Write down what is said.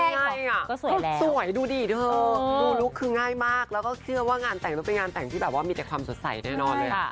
ใช่แล้วสวยดูดิเธอดูลุคคือง่ายมากแล้วก็เชื่อว่างานแต่งแล้วเป็นงานแต่งที่แบบว่ามีแต่ความสดใสแน่นอนเลย